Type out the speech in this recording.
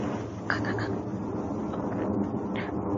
He was a founder of the Livingston National Bank.